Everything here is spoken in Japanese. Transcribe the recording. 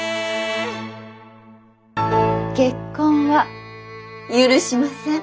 結婚は許しません。